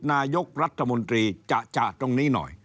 นายกรัฐมนตรีจะจากตรงนี้หน่อย